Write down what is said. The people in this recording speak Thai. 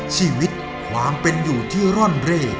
ชีวิตความเป็นอยู่ที่ร่อนเร่